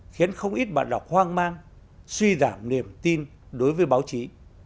khiến không ít bạn đọc hoang mang suy giảm niềm tin đối với báo chí